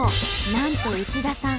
なんと内田さん